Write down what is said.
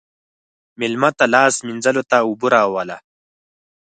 مېلمه ته لاس مینځلو ته اوبه راوله.